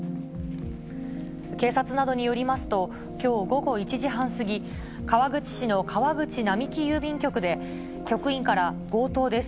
警察などによりますと、きょう午後１時半過ぎ、川口市の川口並木郵便局で、局員から、強盗です。